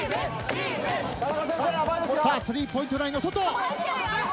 ３ポイントラインの外。